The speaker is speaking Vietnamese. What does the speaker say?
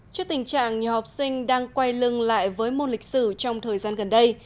trước tình trạng nhiều học sinh đang quay lưng lại với môn lịch sử trong thời gian gần đây